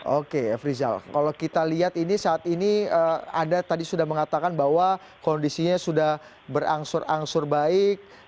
oke f rizal kalau kita lihat ini saat ini anda tadi sudah mengatakan bahwa kondisinya sudah berangsur angsur baik